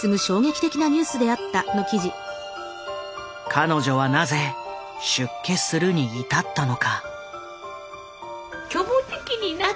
彼女はなぜ出家するに至ったのか。